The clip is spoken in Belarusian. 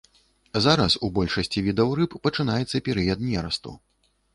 Зараз у большасці відаў рыб пачынаецца перыяд нерасту.